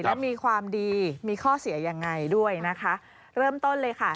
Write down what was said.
และมีความดีมีข้อเสียยังไงด้วยนะคะเริ่มต้นเลยค่ะ